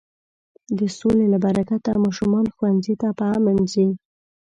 د سولې له برکته ماشومان ښوونځي ته په امن ځي.